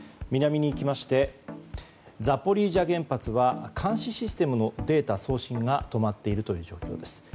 南に行きましてザポリージャ原発は監視システムのデータ送信が止まっているという状況です。